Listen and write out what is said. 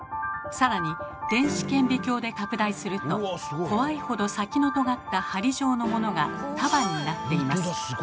更に電子顕微鏡で拡大すると怖いほど先のとがった針状のものが束になっています。